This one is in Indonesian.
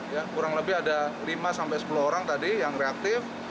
ya kurang lebih ada lima sampai sepuluh orang tadi yang reaktif